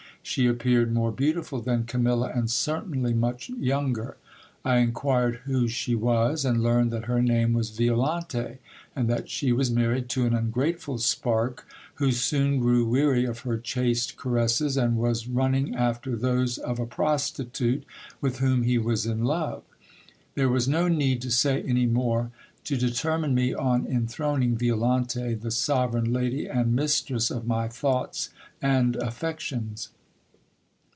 She appeared more beautiful than Camilla, and certainly much younger. I inquired who she was ; and learned that her name was Violante, and that she was married to an ungrateful spark, who soon grew weary of her chaste caresses, and was run ning after those of a prostitute, with whom he was in love. There was no need to say any more, to determine me on enthroning Violante the sovereign lady and mistress of my thoughts and affections.